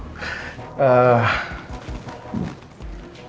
saya memang tidak mengalami kecelakaan itu